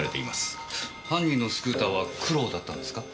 犯人のスクーターは黒だったんですか？